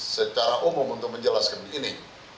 secara umum untuk menjelaskan ini